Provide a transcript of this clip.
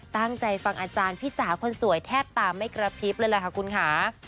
ตั้งใจฟังอาจารย์พี่จ๋าคนสวยแทบตาไม่กระพริบเลยล่ะค่ะคุณค่ะ